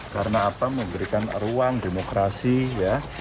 karena apa memberikan ruang demokrasi ya